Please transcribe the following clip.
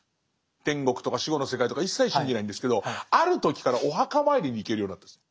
天国とか死後の世界とか一切信じないんですけどある時からお墓参りに行けるようになったんです。